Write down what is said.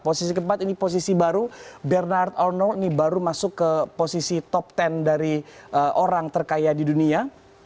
posisi keempat ini posisi baru bernard arnold ini baru masuk ke posisi top sepuluh dari orang terkaya di dunia